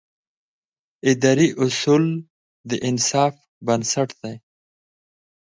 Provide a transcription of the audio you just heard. اداري اصول د انصاف بنسټ دی.